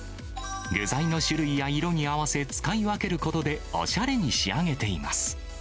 具材の種類や色に合わせ、使い分けることで、おしゃれに仕上げています。